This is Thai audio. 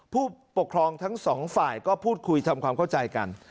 ผู้ปกครองทั้งสองฝ่ายก็พูดคุยทำความเข้าใจกัน